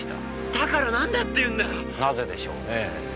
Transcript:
だから何だって言うんだっ⁉なぜでしょうねぇ？